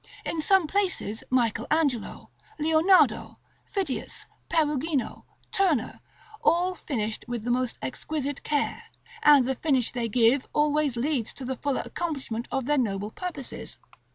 In some places Michael Angelo, Leonardo, Phidias, Perugino, Turner, all finished with the most exquisite care; and the finish they give always leads to the fuller accomplishment of their noble purposes.